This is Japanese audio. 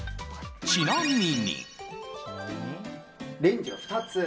ちなみに。